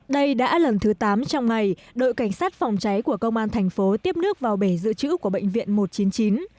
đây đã lần thứ tám trong ngày đội cảnh sát phòng cháy của công an thành phố tiếp nước vào bể dự trữ của bệnh viện một trăm chín mươi chín